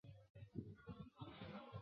治所在牂牁县。